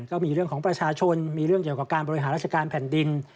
ก็มีเรื่องของประชาชนมีเรื่องเกี่ยวกับการบริหารราชการแผ่นดิน